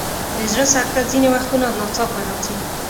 د زړه سکته ځینې وختونه ناڅاپه راځي.